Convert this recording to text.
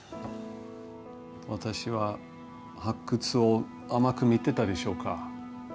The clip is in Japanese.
私は発掘を甘く見てたでしょうか？